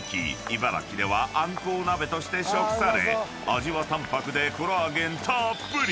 茨城ではあんこう鍋として食され味は淡泊でコラーゲンたーっぷり！］